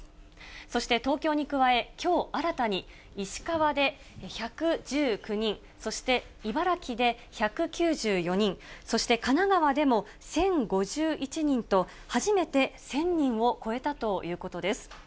そして東京に加え、きょう新たに石川で１１９人、そして茨城で１９４人、そして神奈川でも１０５１人と、初めて１０００人を超えたということです。